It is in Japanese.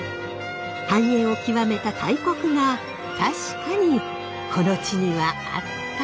繁栄を極めた大国が確かにこの地にはあったんです。